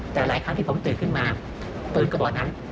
แต่หลายครั้งที่ผมตื่นขึ้นมาเปิดกระบอกนั้น